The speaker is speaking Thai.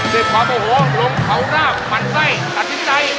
ด้วยความโอโหหลงเขาหน้ามันไส้หัศจิตัย